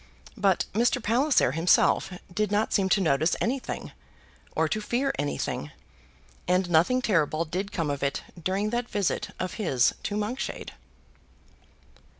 But Mr. Palliser himself did not seem to notice anything, or to fear anything; and nothing terrible did come of it during that visit of his to Monkshade.